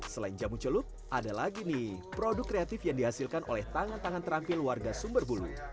selain jamu celup ada lagi nih produk kreatif yang dihasilkan oleh tangan tangan terampil warga sumberbulu